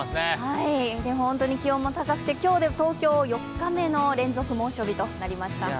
本当に気温も高くて東京は４日連続の猛暑日となりました。